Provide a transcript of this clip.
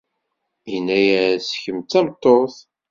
Yenna-as kemm d tameṭṭut.